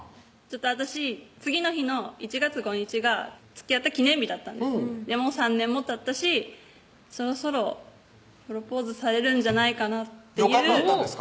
私次の日の１月５日がつきあった記念日だったんです３年もたったしそろそろプロポーズされるんじゃないかな予感があったんですか？